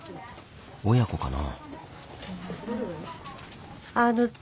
親子かな。